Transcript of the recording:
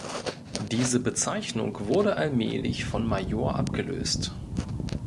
Die Bezeichnung wurde allmählich von Major abgelöst.